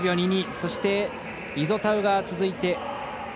そしてイゾタウが続いた。